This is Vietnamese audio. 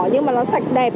nhưng mà nó sạch đẹp